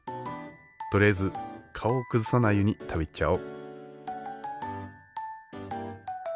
とりあえず顔を崩さないように食べちゃお。